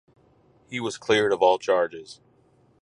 He was cleared of all charges.